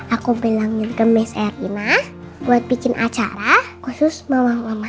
aku bilangin ke miss erina buat bikin acara khusus mama mama